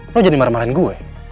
lo jadi marah marahin gue